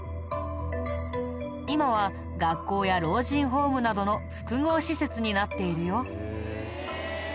今は学校や老人ホームなどの複合施設になっているよ。